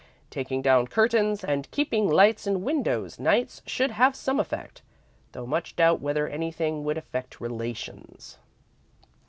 Taking down curtains and keeping lights in windows nights should have some effect, though much doubt whether anything would affect Relations."